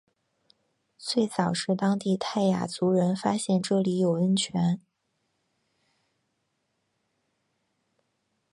最早是当地泰雅族人发现这里有温泉。